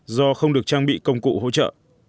do không được trang bị công cụ hỗ trợ